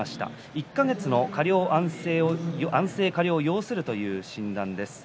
１か月の安静、加療を要するという診断です。